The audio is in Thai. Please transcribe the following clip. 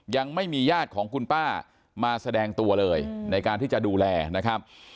ยังไม่มีญาติของคุณป้ามาแสดงตัวเลยในการที่จะดูแลนะครับ